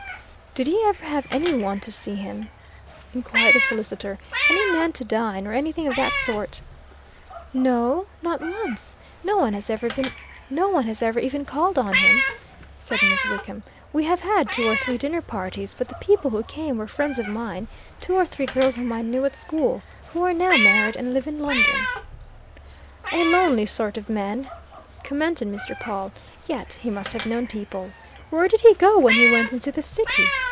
"Did he ever have any one to see him?" inquired the solicitor. "Any men to dine, or anything of that sort?" "No not once. No one has ever even called on him," said Miss Wickham. "We have had two or three dinner parties, but the people who came were friends of mine two or three girls whom I knew at school, who are now married and live in London." "A lonely sort of man!" commented Mr. Pawle. "Yet he must have known people. Where did he go when he went into the City?